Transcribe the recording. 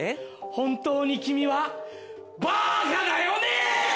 本当に君はバーカだよね！